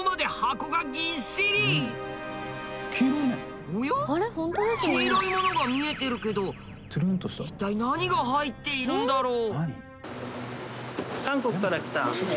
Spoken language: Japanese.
黄色いものが見えてるけど一体何が入っているんだろう？